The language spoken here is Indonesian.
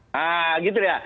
nah gitu ya